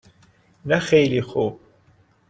نه خیلی خوب.